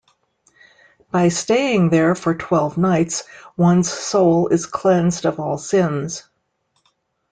By staying there for twelve nights, one's soul is cleansed of all sins.